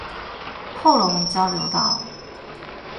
後龍交流道